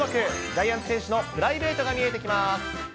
ジャイアンツ選手のプライベートが見えてきます。